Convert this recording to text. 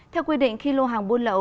theo quy định khi lô hàng buôn lậu